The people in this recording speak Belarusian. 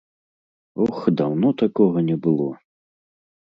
Ох, даўно такога не было!